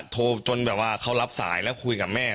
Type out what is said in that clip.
โทรจนแบบว่าเขารับสายแล้วคุยกับแม่